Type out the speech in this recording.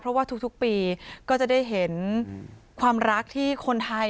เพราะว่าทุกปีก็จะได้เห็นความรักที่คนไทย